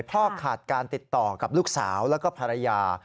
ขาดการติดต่อกับลูกสาวแล้วก็ภรรยา